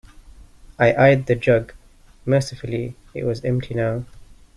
I eyed the jug. Mercifully, it was empty now.